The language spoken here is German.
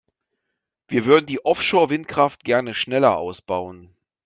Wir würden die Offshore-Windkraft gerne schneller ausbauen.